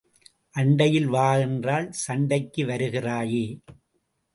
அண்டையில் வா என்றால் சண்டைக்கு வருகிறாயே!